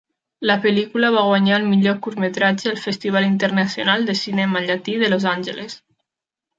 La pel·lícula va guanyar el millor curtmetratge al Festival Internacional de Cinema Llatí de Los Angeles.